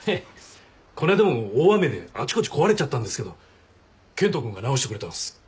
こないだも大雨であちこち壊れちゃったんですけど健人君が直してくれたんです。